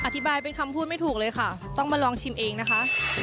อธิบายเป็นคำพูดไม่ถูกเลยค่ะต้องมาลองชิมเองนะคะ